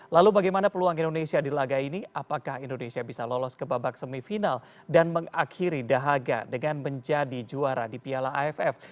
lalu bagaimana peluang indonesia di laga ini apakah indonesia bisa lolos ke babak semifinal dan mengakhiri dahaga dengan menjadi juara di piala aff